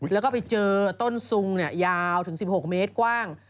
แล้วก็ไปเจอต้นซุงยาวถึง๑๖เมตรกว้าง